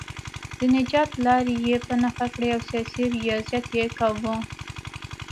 د نجات لارې یې په نښه کړې او سیاسي ریاضت یې کاوه.